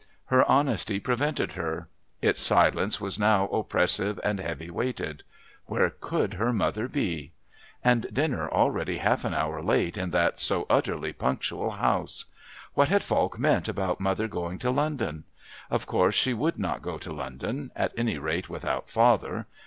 Her honesty prevented her; its silence was now oppressive and heavy weighted. Where could her mother be? And dinner already half an hour late in that so utterly punctual house! What had Falk meant about mother going to London? Of course she would not go to London at any rate without father.